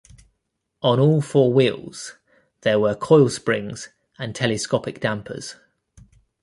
On all four wheels there were coil springs and telescopic dampers.